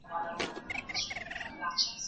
د کارمندانو صلاحيتونه به په راتلونکي کي زيات سي.